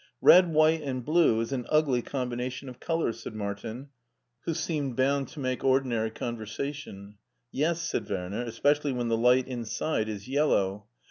" Red, white, and blue is an ugly combination of colors,*' said Martin, who seemed bound to make ordi nary conversation. "Yes," said Werner, "especially when the light inside is yellow.